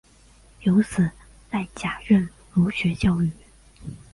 有子戴槚任儒学教谕。